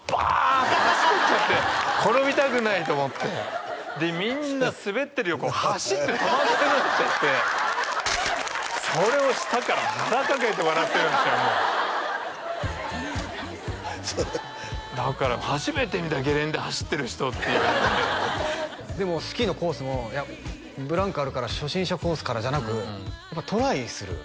ッて走っていっちゃって転びたくないと思ってでみんな滑ってる横を走って止まんなくなっちゃってそれを下から腹抱えて笑ってるんですよだから「初めて見たゲレンデ走ってる人」って言われてでもスキーのコースもブランクあるから初心者コースからじゃなくやっぱトライする？